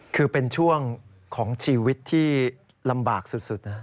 คือเป็นช่วงของชีวิตที่ลำบากสุดนะ